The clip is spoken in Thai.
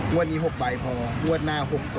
รวดหนี้๖ใบพอรวดหน้า๖ตัวครับผม